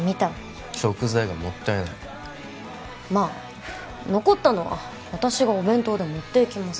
食材がもったいないまあ残ったのは私がお弁当で持っていきます